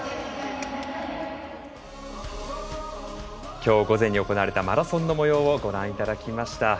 きょう午前に行われたマラソンの様子をご覧いただきました。